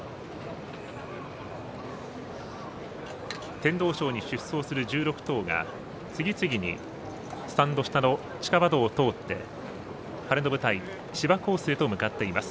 天皇賞に出走する１６頭が次々にスタンド下の地下馬道を通って晴れの舞台、芝コースへと向かっています。